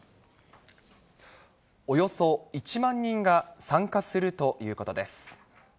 およそ１万人が参加するということです。